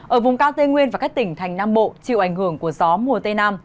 ở vùng cao tây nguyên và các tỉnh thành nam bộ chịu ảnh hưởng của gió mùa tây nam